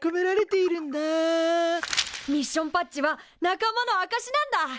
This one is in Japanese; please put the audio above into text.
ミッションパッチは仲間のあかしなんだ。